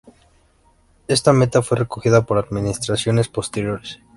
Esta meta fue recogida por administraciones posteriores.